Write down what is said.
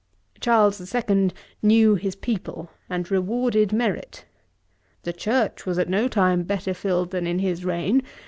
Charles the Second knew his people, and rewarded merit. The Church was at no time better filled than in his reign.